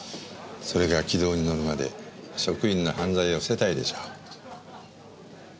それが軌道に乗るまで職員の犯罪を伏せたいでしょう。